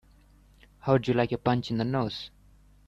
How would you like a punch in the nose?